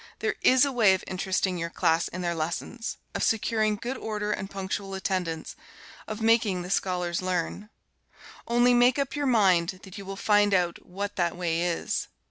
There is a way of interesting your class in their lessons, of securing good order and punctual attendance, of making the scholars learn. Only make up your mind that you will find out what that way is.